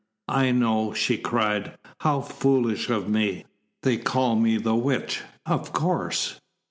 "I know!" she cried. "How foolish of me! They call me the Witch of course."